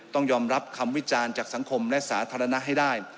ต้องยอมรับคำวิจารณ์จากสังคมและสาธารณะให้ได้